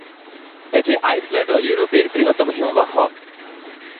এটি আইসল্যান্ড ও ইউরোপের বৃহত্তম হিমবাহ।